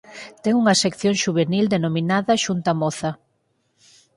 Ten unha sección xuvenil denominada "Xunta Moza".